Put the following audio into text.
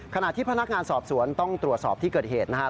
ขณะที่พนักงานสอบสวนต้องตรวจสอบที่เกิดเหตุนะครับ